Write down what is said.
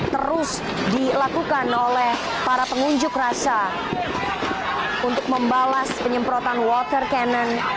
terus dilakukan oleh para pengunjuk rasa untuk membalas penyemprotan water cannon